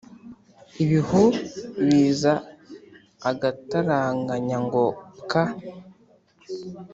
ibihu biza agataraganya ngo pwa